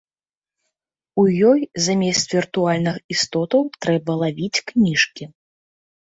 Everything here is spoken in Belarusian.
У ёй замест віртуальных істотаў трэба лавіць кніжкі.